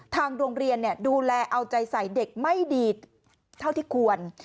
ทางโรงเรียนดูแลเอาใจใส่เด็กไม่ดีเท่าที่ควร